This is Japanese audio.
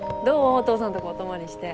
お父さんとこお泊まりして。